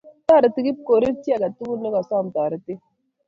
Toreti Kipkorir chi agetugul negasom toretet